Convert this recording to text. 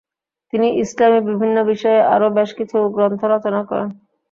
তিনি ইসলামি বিভিন্ন বিষয়ে আরও বেশকিছু গ্রন্থ রচনা করেন।